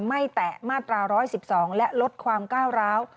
แตะมาตรา๑๑๒และลดความก้าวร้าว